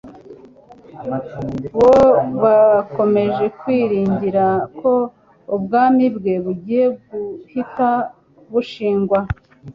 bo bakomeje kwiringira ko ubwami bwe bugiye guhita bushingwa.